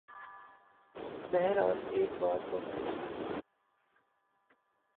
بہرحال ایک بات تو ہو چکی۔